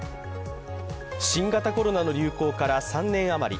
新型コロナの流行から３年余り。